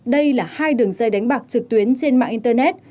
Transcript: đây là hai đường dây đánh bạc trực tuyến trên mạng internet